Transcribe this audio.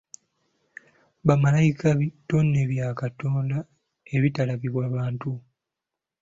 Bamalayika bitonde bya Katonda ebitalabibwa bantu.